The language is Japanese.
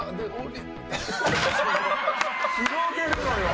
広げるのよ。